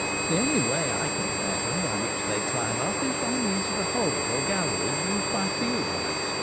The only way I can imagine by which they climb up is by means of the holes, or galleries, used by field mice.